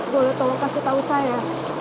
boleh tolong kasih tahu saya